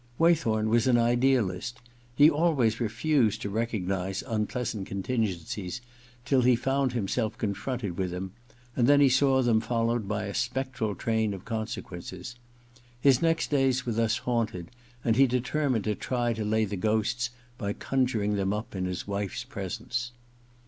Way thorn was an idealist. He always refused to recognize unpleasant contingencies till he found himself confronted with them, and then he saw them followed by a spectral train of consequences. His next days were thus haunted, and he deter mined to try to lay the ghosts by conjuring them up in Ws wife's presence.